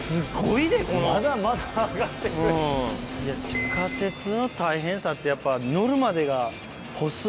地下鉄の大変さってやっぱ。